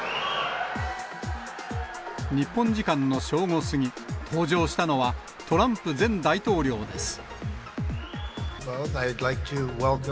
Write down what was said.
日本時間の正午過ぎ、登場したのは、トランプ前大統領です。